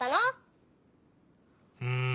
うん。